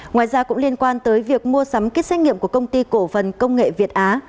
ngoài ra cũng liên quan tới việc mua sắm kit xét nghiệm của công ty cổ phần công nghệ việt á